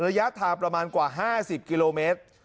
ระยะทางประมาณกว่า๕๐กิโลเมตร